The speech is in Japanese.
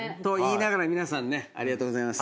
皆さんねありがとうございます。